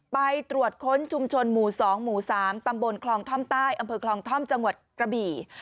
ไปตรวจค้นชุมชนหมู่๒หมู่๓ตำบลคลองท่อมใต้อำเภอคลองท่อมจังหวัดกระบี่